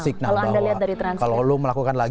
signal bahwa kalau lo melakukan lagi